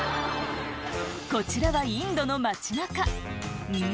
こちらはインドの街中うん？